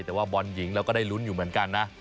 แต่ว่าบอลหญิงเราก็ได้ลุ้นอยู่เหมือนกันนะ